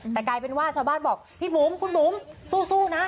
แต่กลายเป็นว่าชาวบ้านบอกพี่บุ๋มคุณบุ๋มสู้นะ